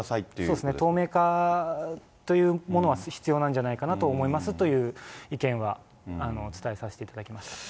そうですね、透明化というものは必要なんじゃないかなと思いますという意見は伝えさせていただきました。